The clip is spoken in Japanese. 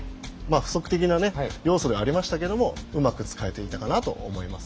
補足的な要素ではありましたがうまく使えていたかなと思います。